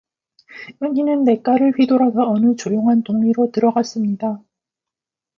은희는 냇가를 휘돌아서 어느 조용한 동리로 들어갔습니다.